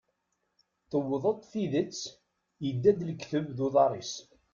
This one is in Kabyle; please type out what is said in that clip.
Tewweḍ-d tidet, yedda-d lekdeb d uḍar-is.